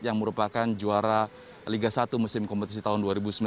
yang merupakan juara liga satu musim kompetisi tahun dua ribu sembilan belas